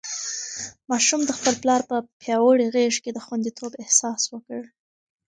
ماشوم د خپل پلار په پیاوړې غېږ کې د خونديتوب احساس وکړ.